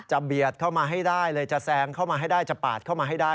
เบียดเข้ามาให้ได้เลยจะแซงเข้ามาให้ได้จะปาดเข้ามาให้ได้